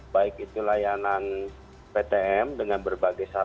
baik itu layanan ptm dengan berbagai syarat